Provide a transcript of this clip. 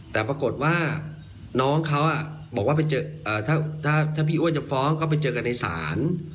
แต่ปรากฏว่าน้องเขาบอกว่าถ้าพี่อ้วนจะฟ้องก็ไปเจอกันในศาล